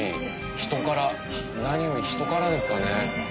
人から何より人からですかね。